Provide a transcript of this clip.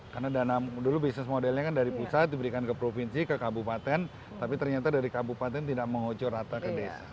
karena dana dulu bisnis modelnya kan dari pusat diberikan ke provinsi ke kabupaten tapi ternyata dari kabupaten tidak mengocor rata ke desa